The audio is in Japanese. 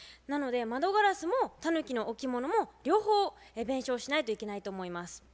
なので窓ガラスもたぬきの置物も両方弁償しないといけないと思います。